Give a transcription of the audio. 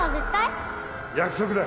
約束だ。